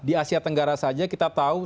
di asia tenggara saja kita tahu